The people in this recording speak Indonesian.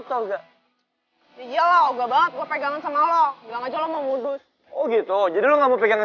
toga iya loh enggak banget pegangan sama lo bilang aja mau mudus oh gitu jadi kamu pegangan